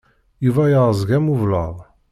Yuba yeεẓeg am ublaḍ.